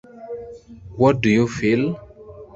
What do you feel?